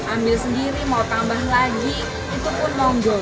ambil sendiri mau tambah lagi itu pun monggol